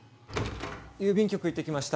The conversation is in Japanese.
・郵便局行ってきました。